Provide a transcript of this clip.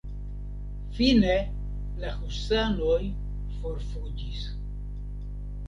Fine la husanoj forfuĝis.